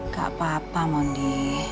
gak apa apa mondi